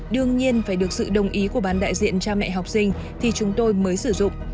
đương nhiên phải được sự đồng ý của ban đại diện cha mẹ học sinh thì chúng tôi mới sử dụng